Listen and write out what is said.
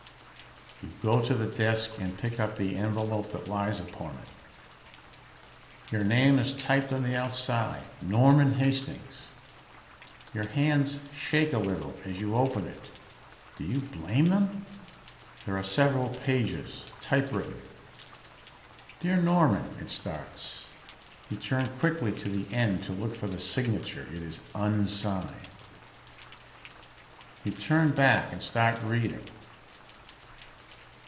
You go to the desk and pick up the envelope that lies upon it. Your name is typed on the outside: Norman Hastings. Your hands shake a little as you open it. Do you blame them? There are several pages, typewritten. Dear Norman, it starts. You turn quickly to the end to look for the signature. It is unsigned. You turn back and start reading.